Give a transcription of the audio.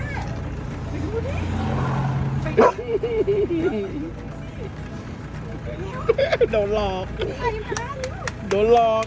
กินข้าวขอบคุณครับ